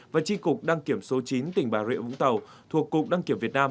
và tri cục đăng kiểm số chín tỉnh bà rịa vũng tàu thuộc cục đăng kiểm việt nam